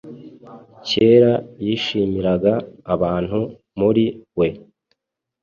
kera yishimiraga abantu muri we!